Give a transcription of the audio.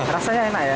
rasanya enak ya